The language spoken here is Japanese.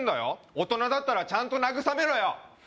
大人だったらちゃんと慰めろよ！